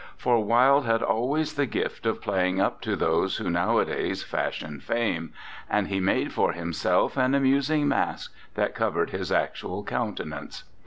For Wilde had always the gift of playing up to those who nowadays fashion fame, and he made for himself an amusing mask that covered his actual counte nance.